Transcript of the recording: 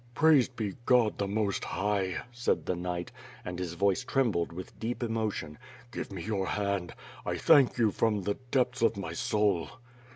'* "Praised be God the most high," said the knight, and his voice trembled with deep emotion, "give me your hand: I thank you from the depths of my soul."